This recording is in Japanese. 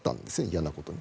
嫌なことに。